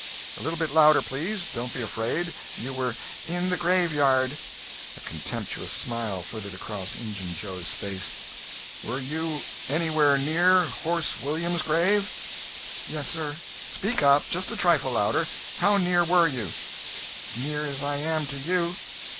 "A little bit louder, please. Don't be afraid. You were—" "In the graveyard." A contemptuous smile flitted across Injun Joe's face. "Were you anywhere near Horse Williams' grave?" "Yes, sir." "Speak up—just a trifle louder. How near were you?" "Near as I am to you."